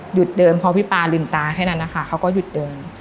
เดินพอพี่ปาลืมตาแค่นั้นนะคะเขาก็หยุดเดิน